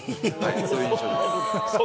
そういう印象です。